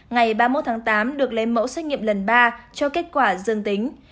ngày ba mươi một tháng tám được lấy mẫu xét nghiệm lần ba cho kết quả dương tính